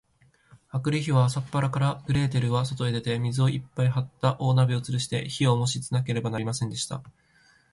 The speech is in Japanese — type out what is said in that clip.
あくる日は、朝っぱらから、グレーテルはそとへ出て、水をいっぱいはった大鍋をつるして、火をもしつけなければなりませんでした。